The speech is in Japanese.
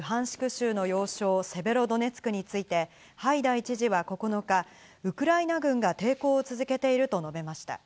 州の要衝セベロドネツクについて、ハイダイ知事は９日、ウクライナ軍が抵抗を続けていると述べました。